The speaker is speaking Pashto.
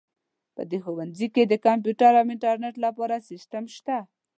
په دې ښوونځي کې د کمپیوټر او انټرنیټ لپاره سیسټم شته